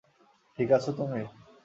ঠিক আছো তুমি?